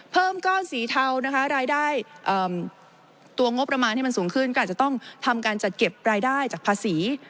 เพิ่มก้อนสีเทานะคะรายได้ตัวงบประมาณให้มันสูงขึ้นก็อาจจะต้องทำการจัดเก็บรายได้จากภาษี